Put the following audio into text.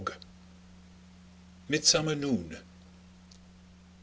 MIDSUMMER NOON.